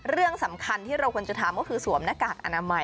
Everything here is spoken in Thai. เรื่องสำคัญที่เราควรจะทำก็คือสวมหน้ากากอนามัย